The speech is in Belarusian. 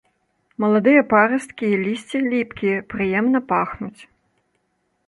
Маладыя парасткі і лісце ліпкія, прыемна пахнуць.